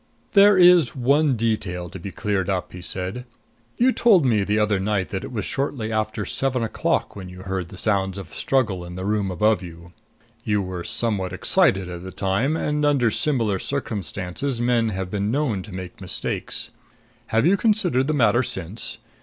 "There is one detail to be cleared up," he said. "You told me the other night that it was shortly after seven o'clock when you heard the sounds of struggle in the room above you. You were somewhat excited at the time, and under similar circumstances men have been known to make mistakes. Have you considered the matter since?